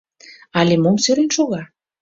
Але мом сӧрен шога!..